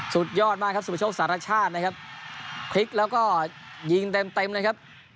สุดยอดมากครับสุประโชคสารชาตินะครับพลิกแล้วก็ยิงเต็มเต็มนะครับ